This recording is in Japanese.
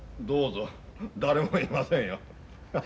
どうぞ誰もいませんよ。